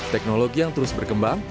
teknologi yang terus berkembang